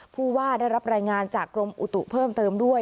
ผู้ว่าได้รับรายงานจากกรมอุตุเพิ่มเติมด้วย